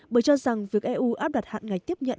bởi cho rằng việc eu áp đặt hạn ngạch tiếp nhận